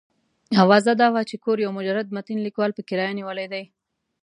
اوازه دا وه چې کور یو مجرد متین لیکوال په کرایه نیولی دی.